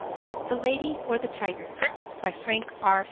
THE LADY, OR THE TIGER? by Frank R.